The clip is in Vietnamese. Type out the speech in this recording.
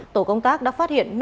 tổ công tác đã phát hiện